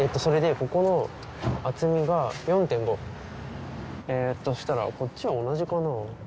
それでここの厚みが４．５えっとしたらこっちは同じかな？